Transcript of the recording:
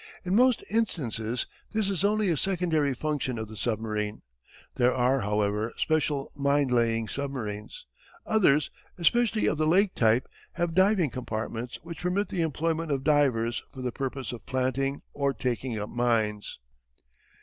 In most instances this is only a secondary function of the submarine. There are, however, special mine laying submarines. Others, especially of the Lake type, have diving compartments which permit the employment of divers for the purpose of planting or taking up mines.